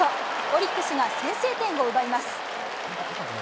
オリックスが先制点を奪います。